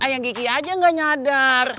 ayang gigi aja gak nyadar